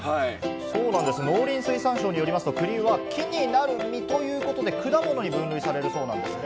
そうなんです、農林水産省によりますと栗は木になる実ということで、果物に分類されるそうなんですね。